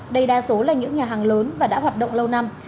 đây đa số là những nhà hàng lớn và đã hoạt động lâu năm